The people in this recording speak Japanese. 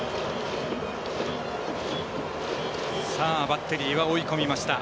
バッテリーは追い込みました。